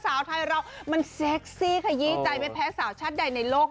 สาวไทยเรามันเซ็กซี่ขยี้ใจไม่แพ้สาวชาติใดในโลก